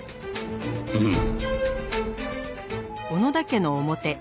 うん。